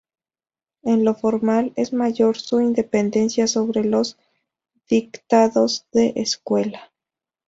En lo formal es mayor su independencia sobre los dictados de escuela.